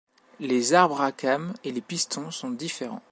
Les arbres à cames et les pistons sont différents.